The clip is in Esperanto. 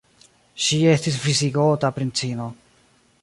Ŝi estis visigota princino.